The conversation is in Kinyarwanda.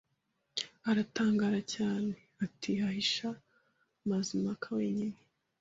aratangara cyane ati Hahisha Mazimpaka wenyine